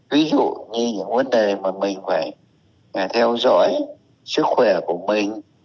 ví dụ như những vấn đề mà mình phải theo dõi sức khỏe của mình